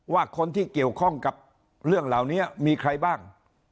ว่าคนที่เกี่ยวข้องกับเรื่องเหล่านี้มีใครบ้าง